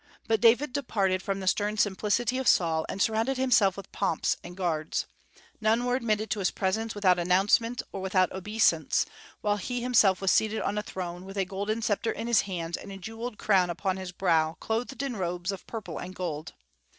But David departed from the stern simplicity of Saul, and surrounded himself with pomps and guards. None were admitted to his presence without announcement or without obeisance, while he himself was seated on a throne, with a golden sceptre in his hands and a jewelled crown upon his brow, clothed in robes of purple and gold.